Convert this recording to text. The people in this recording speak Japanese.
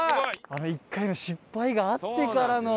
あの１回の失敗があってからの。